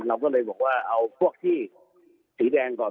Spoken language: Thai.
เราก็เลยบอกว่าเอาพวกที่สีแดงก่อน